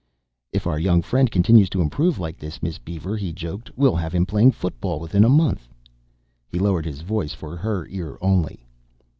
"If our young friend continues to improve like this, Miss Beaver," he joked, "we'll have him playing football within a month." He lowered his voice for her ear only.